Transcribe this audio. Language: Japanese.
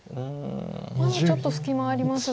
まだちょっと隙間ありますが。